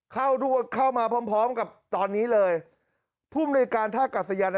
เข้าด้วยเข้ามาพร้อมพร้อมกับตอนนี้เลยภูมิในการท่ากัศยาน